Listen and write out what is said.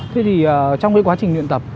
thế thì trong cái quá trình luyện tập